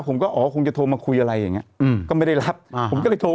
ผมก็อ๋อคงจะโทรมาคุยอะไรอย่างเงี้ยอืมก็ไม่ได้รับอ่าผมก็เลยโทร